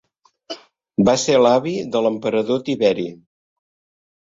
Va ser l'avi de l'emperador Tiberi.